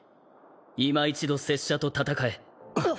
いま一度拙者と戦え。